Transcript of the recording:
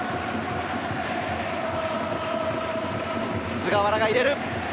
菅原が入れる。